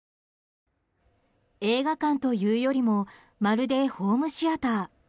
映画館というよりもまるでホームシアター。